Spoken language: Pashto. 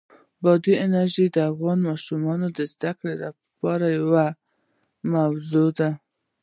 بادي انرژي د افغان ماشومانو د زده کړې یوه موضوع ده.